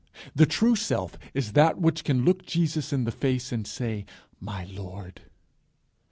The true self is that which can look Jesus in the face, and say My Lord.